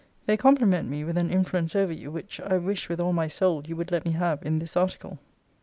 They compliment me with an influence over you, which I wish with all my soul you would let me have in this article.